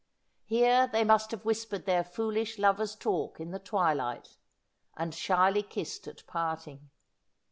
Here they must have whispered their foolish lovers' talk in the twilight, and shyly kissed at parting.